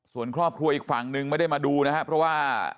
ส่วนครอบครัวอีกฝั่งนึงไม่ได้มาดูนะครับเพราะว่า